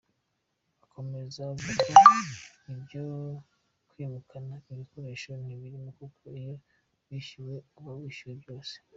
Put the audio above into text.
Akomeza vuga ko ibyo kwimukana ibikoresho ntabirimo kuko iyo wishyuwe uba wishyuwe byose.